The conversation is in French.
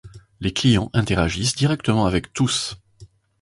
Les clients interagissent directement avec tous.